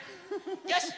よし！